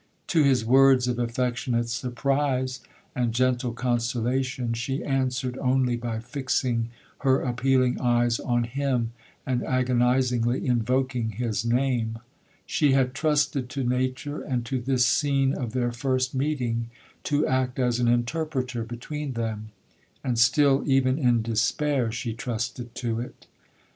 To his words of affectionate surprise, and gentle consolation, she answered only by fixing her appealing eyes on him, and agonizingly invoking his name. She had trusted to nature, and to this scene of their first meeting, to act as an interpreter between them,—and still even in despair she trusted to it.